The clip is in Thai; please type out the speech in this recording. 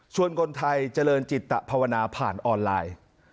คนไทยเจริญจิตภาวนาผ่านออนไลน์